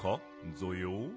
ぞよ。